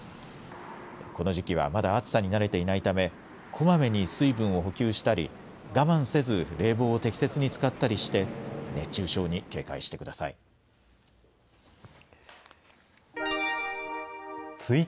この時期はまだ暑さに慣れていないため、こまめに水分を補給したり、我慢せず冷房を適切に使ったりして、熱中症に警戒してください。